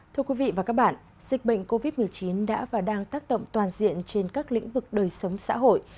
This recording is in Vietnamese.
thưa quý vị và các bạn dịch bệnh covid một mươi chín đã và đang tác động toàn diện trên các lĩnh vực đời sống xã hội